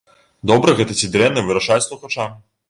Добра гэта ці дрэнна, вырашаць слухачам.